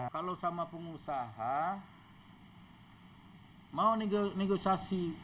kalau sama pengusaha mau negosiasi